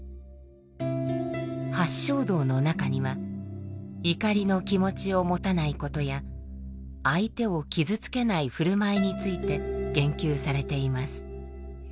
八正道の中には怒りの気持ちを持たないことや相手を傷つけない振る舞いについて言及されています。